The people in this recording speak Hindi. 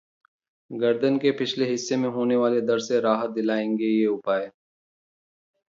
गर्दन के पिछले हिस्से में होने वाले दर्द से राहत दिलाएंगे ये उपाय